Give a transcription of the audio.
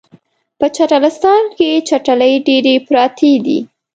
په چټلستان کې چټلۍ ډیرې پراتې دي